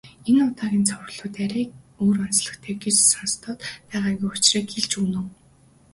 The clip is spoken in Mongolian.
Энэ удаагийн цувралууд арай өөр онцлогтой гэж сонстоод байгаагийн учрыг хэлж өгнө үү.